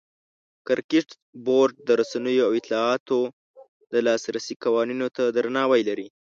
کرکټ بورډ د رسنیو او اطلاعاتو ته د لاسرسي قوانینو ته درناوی لري.